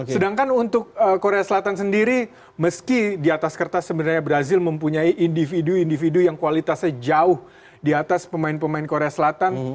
sedangkan untuk korea selatan sendiri meski di atas kertas sebenarnya brazil mempunyai individu individu yang kualitasnya jauh di atas pemain pemain korea selatan